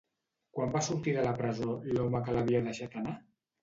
Quan va sortir de la presó l'home que l'havia deixat anar?